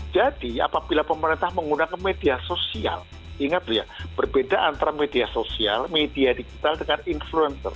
jadi apabila pemerintah menggunakan media sosial ingat ya berbeda antara media sosial media digital dengan influencer